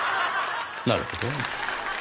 なるほど。